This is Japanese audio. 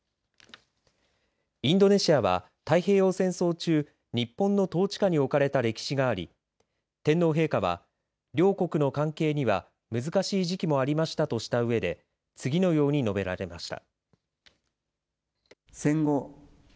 インドネシアは太平洋戦争中日本の統治下に置かれた歴史があり天皇陛下は両国の関係には難しい時期もありましたとしたうえで次のように述べられました。